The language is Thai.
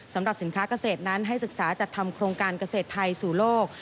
สำหรับสินค้าเกษตรนั้นให้ศึกษาจัดทำโครงการเกษตรไทยสู่โลก